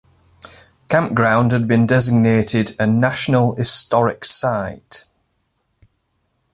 The campground has been designated a National Historic Site.